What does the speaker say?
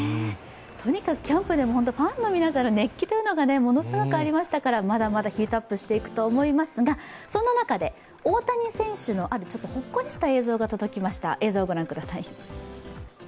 とにかくキャンプでもファンの皆さんの熱気がものすごくありましたから、まだまだヒートアップしていくと思いますが、そんな中で、大谷選手のあるほっこりした映像が届きました。